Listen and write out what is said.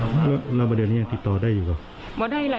มันแปลกมากนะ